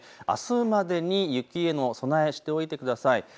あすまでに雪への備えをしておいてください。